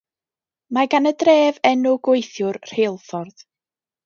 Mae gan y dref enw gweithiwr rheilffordd.